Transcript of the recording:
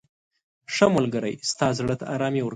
• ښه ملګری ستا زړه ته ارامي ورکوي.